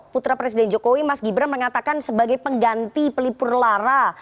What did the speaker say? putra presiden jokowi mas gibran mengatakan sebagai pengganti pelipur lara